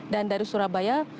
dan dari surabaya